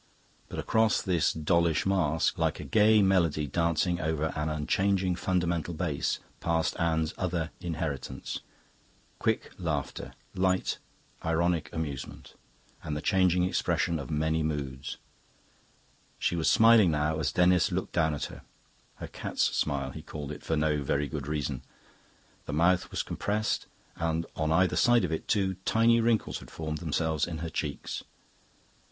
But across this dollish mask, like a gay melody dancing over an unchanging fundamental bass, passed Anne's other inheritance quick laughter, light ironic amusement, and the changing expressions of many moods. She was smiling now as Denis looked down at her: her cat's smile, he called it, for no very good reason. The mouth was compressed, and on either side of it two tiny wrinkles had formed themselves in her cheeks.